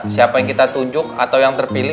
siapa yang kita tunjuk atau yang terpilih